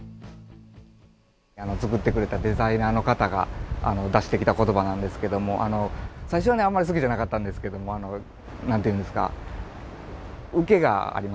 作ってくれたデザイナーの方が出してきた言葉なんですけども最初はねあんまり好きじゃなかったんですけどもなんて言うんですかウケがありますよね。